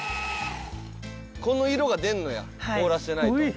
「この色が出んのや凍らせてないと」